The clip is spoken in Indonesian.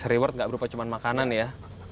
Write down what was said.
reward nggak berupa cuma makanan ya